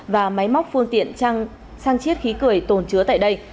và máy móc phương tiện sang chiếc khí cười tồn chứa tại đây